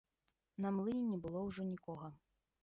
На млыне не было ўжо нікога.